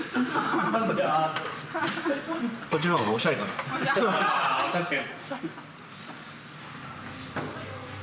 あ確かに。